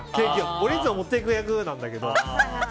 俺いつも持っていく役なんだけど。